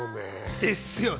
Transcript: ですよね。